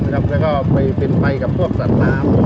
แล้วก็ไปพลินไฟกับสัตว์น้ำ